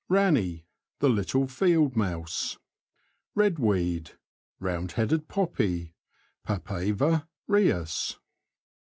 Ranny. — The little field mouse. Red weed. — Round headed poppy [Papaver Rhosas).